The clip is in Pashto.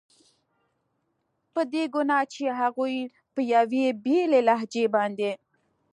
په دې ګناه چې هغوی په یوې بېلې لهجې باندې.